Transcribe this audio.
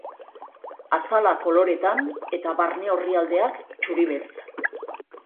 Azala koloretan eta barne orrialdeak txuri-beltz.